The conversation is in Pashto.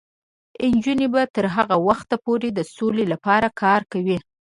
نجونې به تر هغه وخته پورې د سولې لپاره کار کوي.